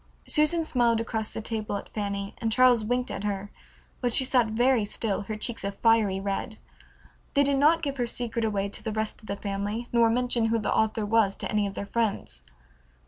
Susan smiled across the table at Fanny, and Charles winked at her, but she sat very still, her cheeks a fiery red. They did not give her secret away to the rest of the family, nor mention who the author was to any of their friends.